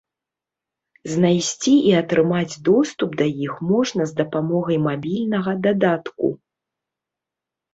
Знайсці і атрымаць доступ да іх можна з дапамогай мабільнага дадатку.